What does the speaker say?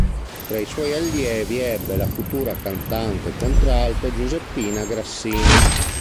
Tra i suoi allievi ebbe la futura cantante contralto Giuseppina Grassini.